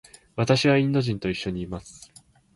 私はインド人と一緒にいます。